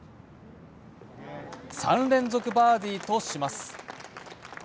３連続バーディーとします。